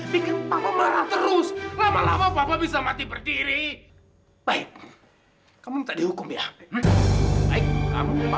barusan dapat tender kakap kakap